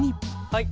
はい。